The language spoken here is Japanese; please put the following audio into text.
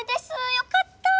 よかった。